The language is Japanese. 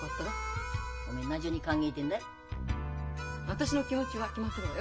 私の気持ちは決まってるわよ。